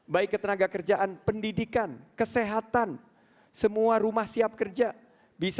baik ketenagangan dan penyelenggaraan yang diperlukan untuk memperbaiki kartu kartu yang lainnya